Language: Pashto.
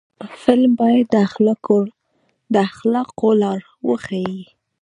فلم باید د اخلاقو لار وښيي